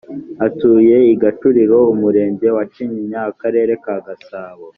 atuye i gacuriro umurenge wa kinyinya akarere ka gasabo